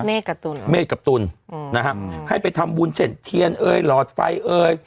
เมษกับตุลเมษกับตุลนะฮะให้ไปทำบุญเฉ่นเทียนเอ้ยหลอดไฟเอ้ย